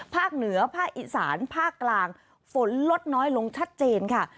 ภาคเหนือภาคอีสานภาคกลางฝนลดน้อยลงชัดเจนค่ะ